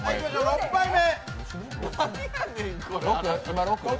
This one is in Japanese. ６杯目。